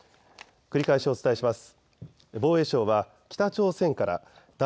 繰り返しお伝えします。